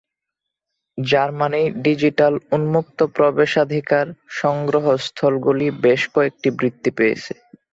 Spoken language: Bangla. জার্মানি ডিজিটাল উন্মুক্ত প্রবেশাধিকার সংগ্রহস্থল গুলি বেশ কয়েকটি বৃত্তি পেয়েছে।